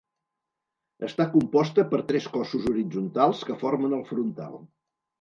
Està composta per tres cossos horitzontals que formen el frontal.